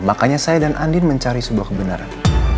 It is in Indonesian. makanya saya dan andin mencari sebuah kebenaran